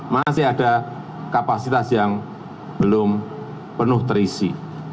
masih ada kapasitas yang belum penuh terisi